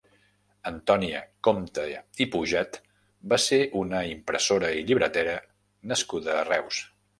Antònia Compte i Pouget va ser una impressora i llibretera nascuda a Reus.